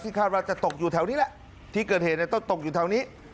คาดว่าจะตกอยู่แถวนี้แหละที่เกิดเหตุก็ตกอยู่แถวนี้